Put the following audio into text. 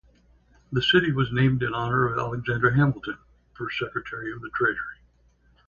The city was named in honor of Alexander Hamilton, first Secretary of the Treasury.